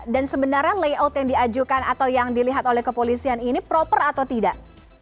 dan sebenarnya layout yang diajukan atau yang dilihat oleh kepolisian ini proper atau tidak